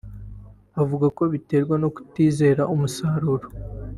Bavuga ko biterwa no kutizera umusaruro